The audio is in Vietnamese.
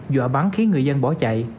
dọa bắn khiến người dân bỏ chạy